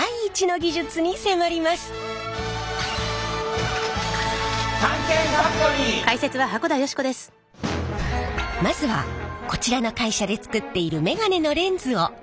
まずはこちらの会社で作っているメガネのレンズを見せてもらいます。